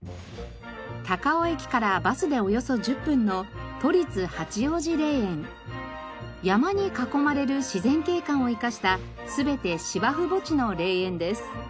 高尾駅からバスでおよそ１０分の山に囲まれる自然景観を生かした全て芝生墓地の霊園です。